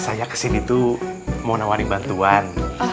saya kesini tuh mau nawari bantuan